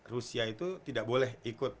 rusia itu tidak boleh ikut